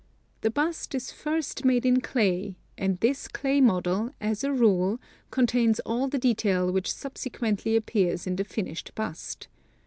The bust is first made in clay, and this clay model, as a rule, contains all the detail which subsequently appears in the finished bust.